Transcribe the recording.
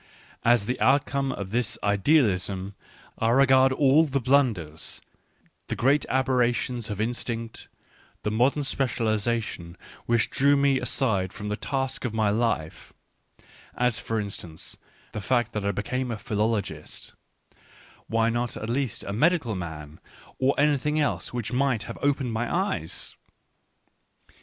As the outcome of this " Idealism " I regard all the blunders, the great ab errations of instinct, and the " modest specialisa tions " which drew me aside from the task of my life ; as, for instance, the fact that I became a philo logist — why not at least a medical man or anything else which might have opened my eyes